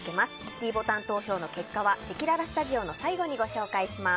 ｄボタン投票の結果はせきららスタジオの最後にご紹介します。